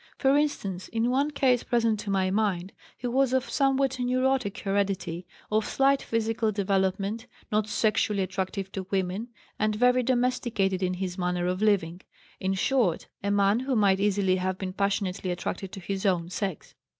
For instance, in one case present to my mind he was of somewhat neurotic heredity, of slight physical development, not sexually attractive to women, and very domesticated in his manner of living; in short, a man who might easily have been passionately attracted to his own sex.